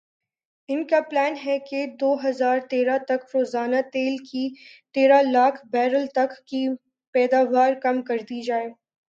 ان کا پلان ھے کہ دو ہزار تیرہ تک روزانہ تیل کی تیرہ لاکھ بیرل تک کی پیداوار کم کر دی جائے